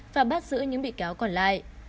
và bắt giữ những bị cáo còn lại